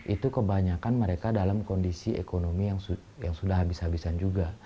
itu kebanyakan mereka dalam kondisi ekonomi yang sudah habis habisan juga